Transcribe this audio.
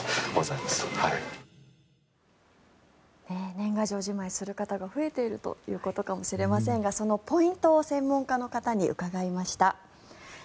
年賀状じまいする方が増えているということかもしれませんがそのポイントを専門家の方に伺いました。